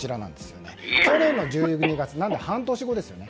去年の１２月なので半年後ですね。